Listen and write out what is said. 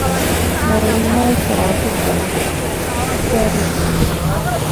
Ma win ma sah te jon carré.